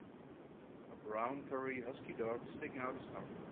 A Brown furry husky dog sticking out his tongue.